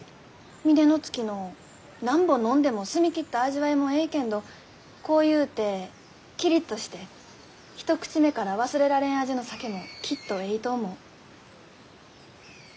峰乃月の何本飲んでも澄み切った味わいもえいけんど濃ゆうてキリッとして一口目から忘れられん味の酒もきっとえいと思う。